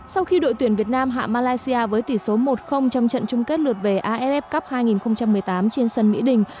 sau khi đội tuyển việt nam hạ malaysia với tỷ số một trong trận chung kết lượt về aff cup hai nghìn một mươi tám trên sân mỹ đình